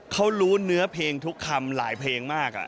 เขารู้เนื้อเพลงทุกคำหลายเพลงมาก